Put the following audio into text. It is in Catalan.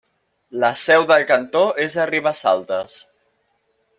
La seu del cantó és a Ribesaltes.